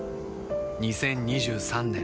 ２０２３年